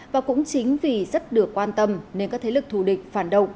và cũng chính vì rất được quan tâm nên các thế lực thù địch phản động